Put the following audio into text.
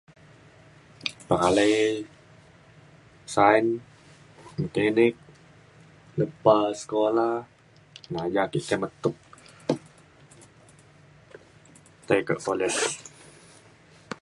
pekalai sains mekanik lepa sekola na ja ake kemet tuk tai ke kolej.